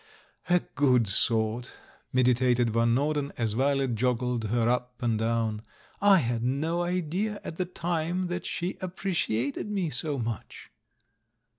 "A good sort!" meditated Van Norden, as Violet joggled her up and down; "I had no idea at the time that she appreciated me so much."